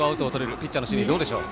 ピッチャーの心境どうでしょう？